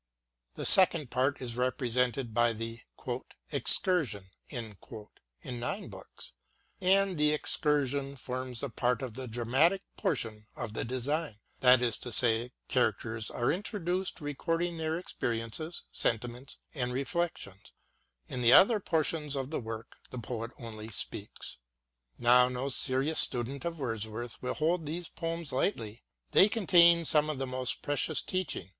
The second part is represented by the " Excursion," in nine books ; and the " Excursion " forms a part of the dramatic portion of the design — that is to say, characters are introduced recording their experiences, sentiments and reflections ; in the other portions of the work the poet only speaks. Now, no serious student of Wordsworth will hold these poems lightly — ^they contain some of his most precious teaching.